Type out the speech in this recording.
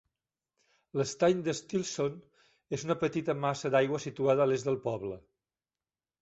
L'estany d'Stilson és una petita massa d'aigua situada a l'est del poble.